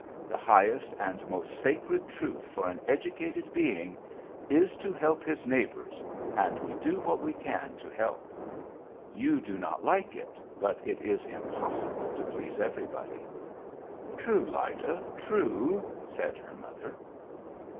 The highest and most sacred truth for an educated being is to help his neighbours, and we do what we can to help. You do not like it, but it is impossible to please everybody." "True, Lyda, true," said her mother.